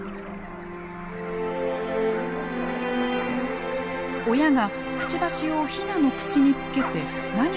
親がくちばしをヒナの口につけて何かを与えています。